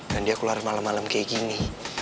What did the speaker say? dan dia keluar malem malem kayak gini